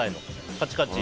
カチカチ？